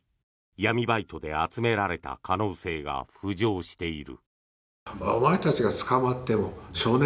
闇バイトで集められた可能性が浮上している。